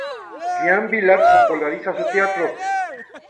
Jean Vilar populariza su teatro.